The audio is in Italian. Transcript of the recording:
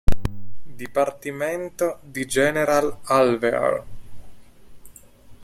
Dipartimento di General Alvear